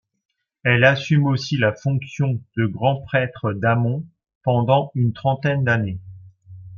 Elle assume aussi la fonction de Grand prêtre d'Amon pendant une trentaine d'années.